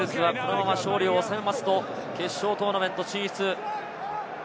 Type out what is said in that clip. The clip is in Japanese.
ウェールズはこのまま勝利を収めると決勝トーナメント進出。